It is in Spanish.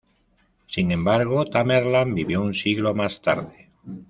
Sin embargo Tamerlán vivió un siglo más tarde.